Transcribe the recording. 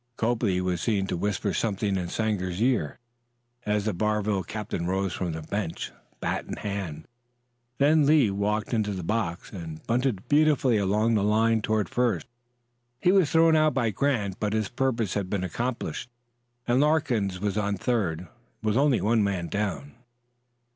Copley was seen to whisper something in Sanger's ear as the Barville captain rose from the bench, bat in hand. Then Lee walked into the box and bunted beautifully along the line toward first. He was thrown out by Grant, but his purpose had been accomplished, and Larkins was on third, with only one man down.